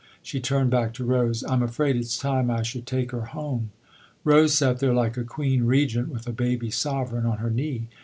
She turned back to Rose. " I'm afraid it's time I should take her home.". Rose sat there like a queen regent with a baby sovereign on her knee.